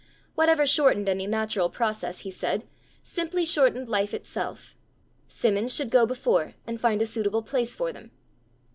Whatever shortened any natural process, he said, simply shortened life itself. Simmons should go before, and find a suitable place for them!